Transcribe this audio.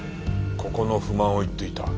ここの不満を言っていた。